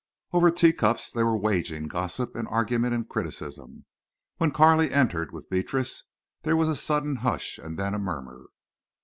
Over teacups there were waging gossip and argument and criticism. When Carley entered with Beatrice there was a sudden hush and then a murmur.